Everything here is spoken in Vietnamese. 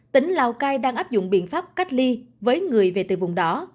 tỉnh lào cai đang áp dụng biện pháp cách ly với người về từ vùng đó